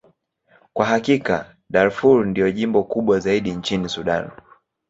Kwa hakika, Darfur ndilo jimbo kubwa zaidi nchini Sudan.